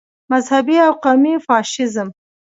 مذهبي او قومي فاشیزم.